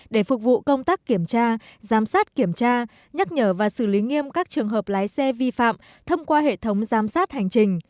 để phục vụ công tác kiểm tra giám sát kiểm tra nhắc nhở và xử lý nghiêm các trường hợp lái xe vi phạm thông qua hệ thống giám sát hành trình